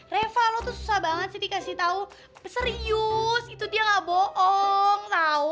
reva lo tuh susah banget sih dikasih tau serius itu dia nggak boong tau